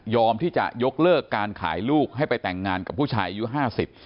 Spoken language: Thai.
ที่จะยกเลิกการขายลูกให้ไปแต่งงานกับผู้ชายอายุห้าสิบ